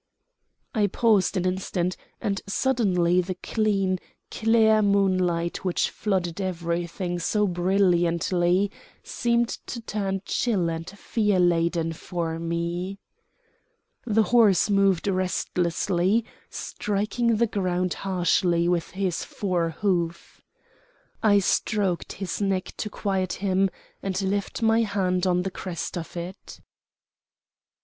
I paused an instant, and suddenly the clean, clear moonlight which flooded everything so brilliantly seemed to turn chill and fear laden for me. The horse moved restlessly, striking the ground harshly with his fore hoof. I stroked his neck to quiet him and left my hand on the crest of it.